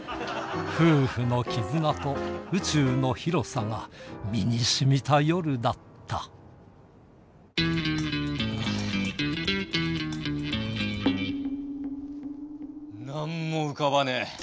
夫婦の絆と宇宙の広さが身にしみた夜だった何も浮かばねえ！